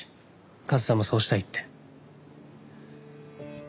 和沙もそうしたいって。